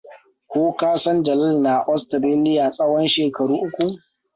Ko ka san Jalal na Australiya tsahon shekaru uku?